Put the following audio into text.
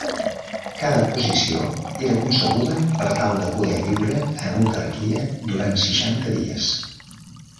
Cada posició era concebuda per tal de poder viure en autarquia durant seixanta dies.